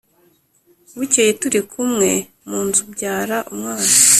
bukeye turi kumwe mu nzu mbyara umwana